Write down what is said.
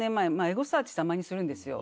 エゴサーチたまにするんですよ。